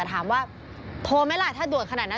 โดยค้าถเลยบุทูสเทียบลานะ